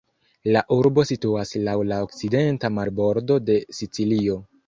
La urbo situas laŭ la okcidenta marbordo de Sicilio.